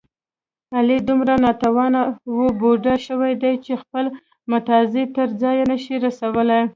علي دومره ناتوانه و بوډا شوی دی، چې خپل متیازې تر ځایه نشي رسولی.